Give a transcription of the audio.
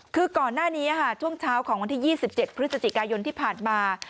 คือก่อนหน้านี้ช่วงเช้าของวันที่๒๗พฤศจิกายนที่ผ่านมา